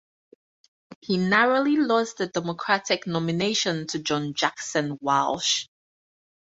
He narrowly lost the Democratic nomination to John Jackson Walsh.